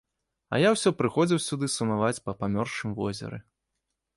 А я ўсё прыходзіў сюды сумаваць па памёршым возеры.